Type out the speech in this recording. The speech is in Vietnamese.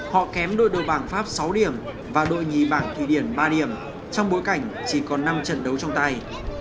họ kém đội bảng pháp sáu điểm và đội nhì bảng thủy điển ba điểm trong bối cảnh chỉ còn năm trận đấu trong tay